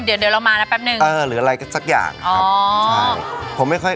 เดี๋ยวเรามานะแป๊บนึงอ๋อหรืออะไรก็สักอย่างครับใช่